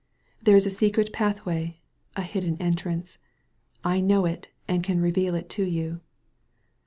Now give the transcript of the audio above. There is a secret pathway, a hidden entrance. I know it and can reveal it to you.''